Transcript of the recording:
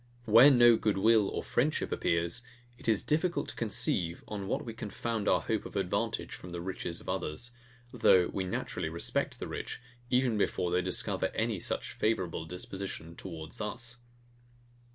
Where no good will or friendship appears, it is difficult to conceive on what we can found our hope of advantage from the riches of others; though we naturally respect the rich, even before they discover any such favourable disposition towards us.